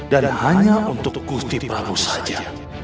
dan hanya untuk gusih prabu saja